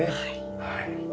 はい。